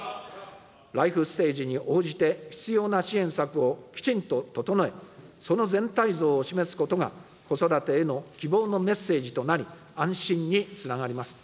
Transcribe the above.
ライフステージに応じて必要な支援策をきちんと整え、その全体像を示すことが、子育てへの希望のメッセージとなり、安心につながります。